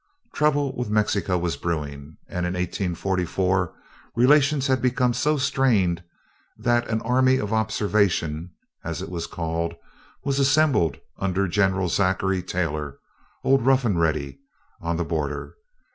Trouble with Mexico was brewing, and in 1844 relations had become so strained that an "Army of Observation," as it was called, was assembled under General Zachary Taylor, old "Rough and Ready," on the border.